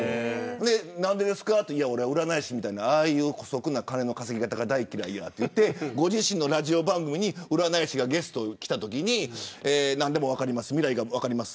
何でですかって占い師みたいな姑息な金の稼ぎ方が大嫌いやと言ってご自身のラジオ番組に占い師がゲストに来たときに何でも分かります未来が分かります。